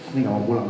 ini gak mau pulang